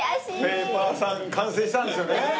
ペーパーさん完成したんですよね。